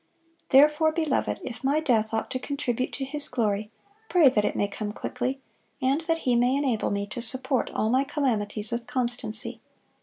Therefore, beloved, if my death ought to contribute to His glory, pray that it may come quickly, and that He may enable me to support all my calamities with constancy.